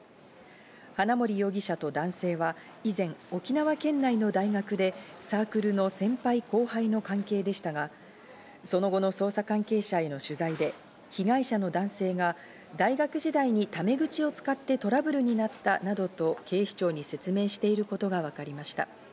花森容疑者と男性は以前、沖縄県内の大学でサークルの先輩後輩の関係でしたがその後の捜査関係者への取材で被害者の男性が大学時代にタメ口を使ってトラブルになったなどと、警視庁に説明していることがわかりました。